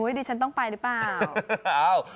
ดูให้ดีฉันต้องไปหรือเปล่า